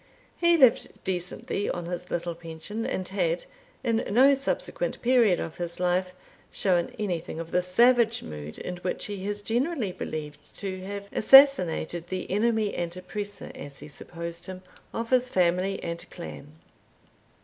He lived decently on his little pension, and had, in no subsequent period of his life, shown anything of the savage mood in which he is generally believed to have assassinated the enemy and oppressor, as he supposed him, of his family and clan.